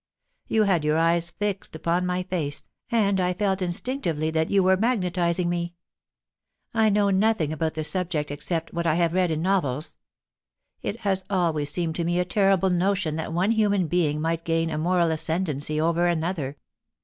You had your eyes fixed upon my face, and I felt instinctively that * YOU'LL GET THE CROOKED STICK A T LAST: i8i you were magnetising me. I know nothing about the sub ject except what I have read in novels. It has always seemed to me a terrible notion that one human being might gain a moral ascendency over another.